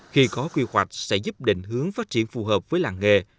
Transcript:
khi có quy hoạch sẽ giúp định hướng phát triển phù hợp với làng nghề